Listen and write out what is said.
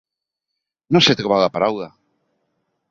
No sé trobar la paraula.